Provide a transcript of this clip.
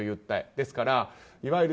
ですから、いわゆる